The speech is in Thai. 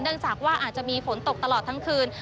จากว่าอาจจะมีฝนตกตลอดทั้งคืน